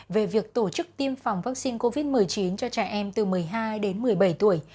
về việc tổ chức tiêm phòng vaccine covid một mươi chín cho trẻ em từ một mươi hai đến một mươi bảy tuổi